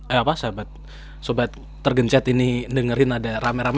eh apa sahabat tergencet ini dengerin ada rame rame